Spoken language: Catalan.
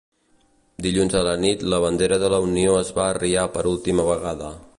Dilluns a la nit, la bandera de la Unió es va arriar per última vegada.